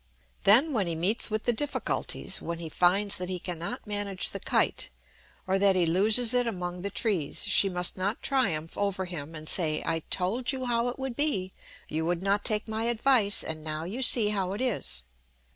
Then when he meets with the difficulties, when he finds that he can not manage the kite, or that he loses it among the trees, she must not triumph over him, and say, "I told you how it would be. You would not take my advice, and now you see how it is."